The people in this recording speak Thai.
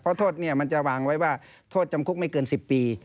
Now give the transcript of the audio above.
เพราะโทษเนี่ยมันจะวางไว้ว่าโทษจำคุกไม่เกิน๑๐ปี